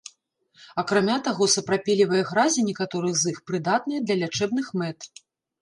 Акрамя таго, сапрапелевыя гразі некаторых з іх прыдатныя для лячэбных мэт.